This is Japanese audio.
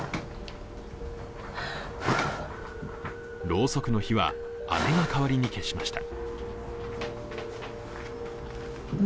ろうそくの火は姉が代わりに消しました。